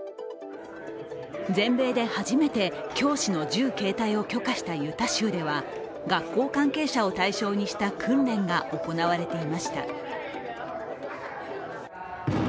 全米で初めて教師の銃携帯を許可したユタ州では学校関係者を対象にした訓練が行われていました。